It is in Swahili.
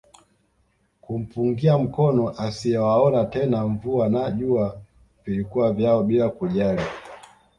Kumpungia mkono asiyewaona tena mvua na jua vilikuwa vyao bila kujali